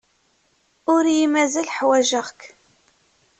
Ur iyi-mazal ḥwajeɣ-k.